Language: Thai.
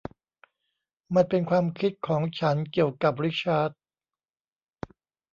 มันเป็นความคิดของฉันเกี่ยวกับริชาร์ด